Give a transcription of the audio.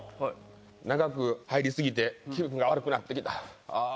長く入り過ぎて気分が悪くなって来た。